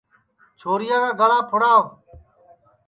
چھورِیا کا گݪا پُھڑاو